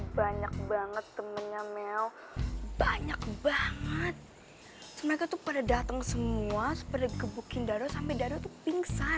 banyak banget mereka tuh pada dateng semua sampai